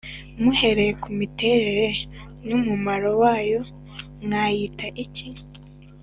muhereye ku miterere n’umumaro wayo mwayita iki?